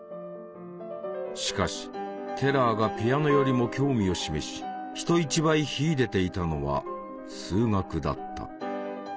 しかしテラーがピアノよりも興味を示し人一倍秀でていたのは数学だった。